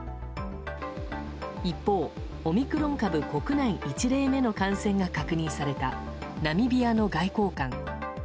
一方、オミクロン株国内１例目の感染が確認されたナミビアの外交官。